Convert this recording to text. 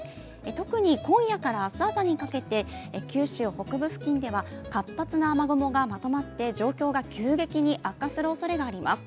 特に今夜から明日朝にかけて九州北部付近では活発な雨雲がまとまって状況が急激に悪化するおそれがあります。